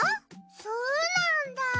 そうなんだ。